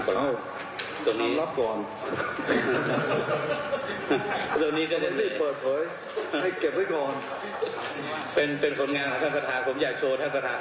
เป็นคนงานของท่านประธาผมอยากโชว์ท่านประธาน